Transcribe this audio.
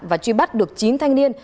và truy bắt được chín thanh niên